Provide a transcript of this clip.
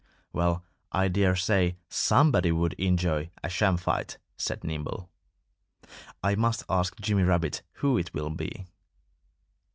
"Well, I dare say somebody would enjoy a sham fight," said Nimble. "I must ask Jimmy Rabbit who it will be."